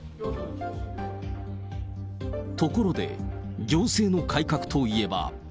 ところで、行政の改革といえば。